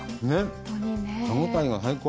歯応えが最高。